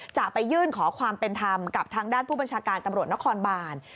จะไปยื่นขอความเป็นธรรมกับทางด้านผู้บัญชาการตำรวจนครบาน